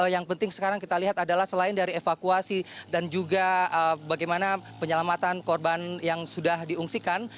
yang penting sekarang kita lihat adalah selain dari evakuasi dan juga bagaimana penyelamatan korban yang sudah diungsikan